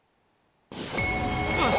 よし！